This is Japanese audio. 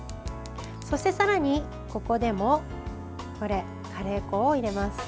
そしてさらにここでもカレー粉を入れます。